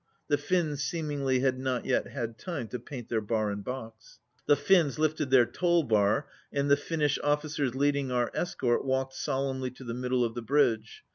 The Finns seemingly had not yet had time to paint their bar and box. The Finns lifted their toll bar, and the Finn ish officers leading our escort walked solemnly to the middle of the bridge.